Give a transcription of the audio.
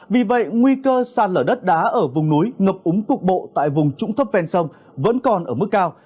vì vậy nguy cơ sạt lở đất đá ở vùng núi ngập úng cục bộ tại vùng trũng thấp ven sông vẫn còn ở mức cao